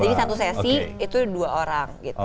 jadi satu sesi itu dua orang gitu